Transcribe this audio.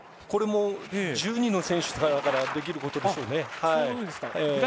これも、１２の選手だからできることでしょうね。